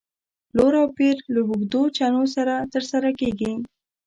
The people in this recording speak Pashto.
پلور او پېر له اوږدو چنو سره تر سره کېږي.